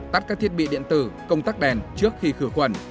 tắt các thiết bị điện tử công tắc đèn trước khi khử khuẩn